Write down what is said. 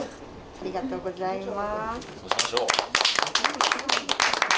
ありがとうございます。